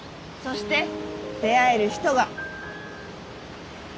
そして出会える人が。